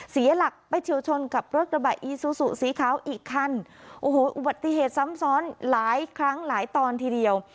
เสียหลักไปเฉียวชนกับรถกระบะอีซูซูสีขาวอีกคันโอ้โหอุบัติเหตุซ้ำซ้อนหลายครั้งหลายตอนทีเดียว